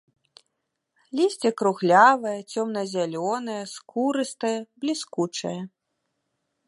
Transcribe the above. Лісце круглявае, цёмна-зялёнае, скурыстае, бліскучае.